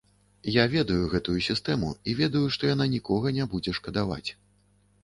Я ведаю гэтую сістэму і ведаю, што яна нікога не будзе шкадаваць.